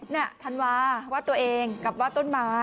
ธันวาว่าตัวเองกับวาดต้นไม้